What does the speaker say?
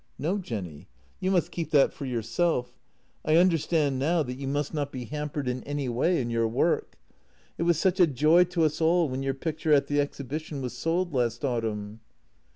" No, Jenny, you must keep that for yourself. I understand now that you must not be hampered in any way in your work. It was such a joy to us all when your picture at the exhibition was sold last autumn."